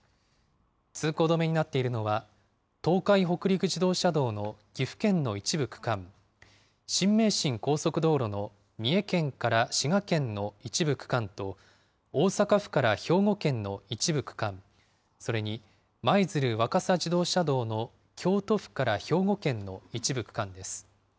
通行止めになっているのは、東海北陸自動車道の岐阜県の一部区間、新名神高速道路の三重県から滋賀県の一部区間と、大阪府から兵庫県の一部区間、それに舞鶴若狭自動車道の京都府から兵庫県の一部区間です。